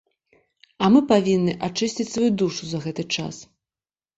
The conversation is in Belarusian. А мы павінны ачысціць сваю душу за гэты час.